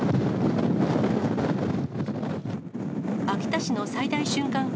秋田市の最大瞬間